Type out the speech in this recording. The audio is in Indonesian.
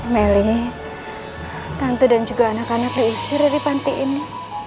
mel ini tante dan juga anak anak diusir dari panti ini